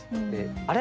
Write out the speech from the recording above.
あれ？